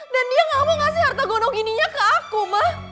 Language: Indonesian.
dan dia gak mau ngasih harta gono gininya ke aku mah